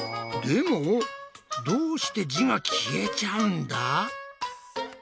でもどうして字が消えちゃうんだ？